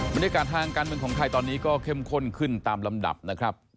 บรรยากาศทางการเมืองของไทยตอนนี้ก็เข้มข้นขึ้นตามลำดับนะครับ